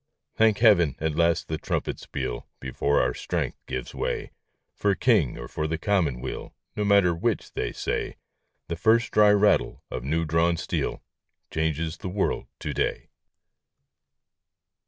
Thank Heaven ! At last the trumpets peal Before our strength gives way. For King or for the Commonweal No matter which they say, The first dry rattle of new drawn steel Changes the world to day